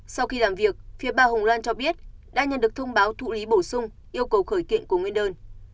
sau khi làm việc phía bà hồng loan cho biết đã nhận được thông báo thụ lý bổ sung yêu cầu khởi kiện của nguyên đơn